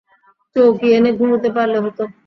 চৌকি এনে ঘুমুতে পারলে হত।